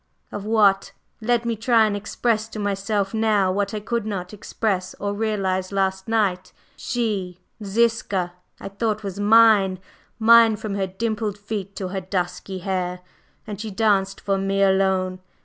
"Of what? Let me try and express to myself now what I could not express or realize last night. She Ziska I thought was mine, mine from her dimpled feet to her dusky hair, and she danced for me alone.